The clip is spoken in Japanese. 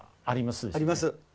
あります。